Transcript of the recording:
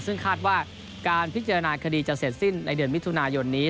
ซึ่งคาดว่าการพิจารณาคดีจะเสร็จสิ้นในเดือนมิถุนายนนี้